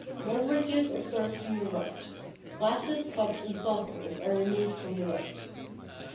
Beverages are served from the right. Glasses, cups, and saucers are removed from the right.